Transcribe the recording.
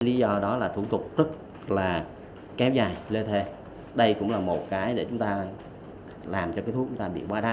lý do đó là thủ tục rất là kém dài lê thê đây cũng là một cái để chúng ta làm cho cái thuốc chúng ta bị quá đắt